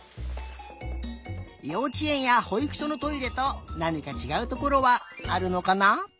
ようちえんやほいくしょのトイレとなにかちがうところはあるのかな？